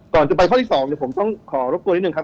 จะไปข้อที่๒ผมต้องขอรบกวนนิดนึงครับ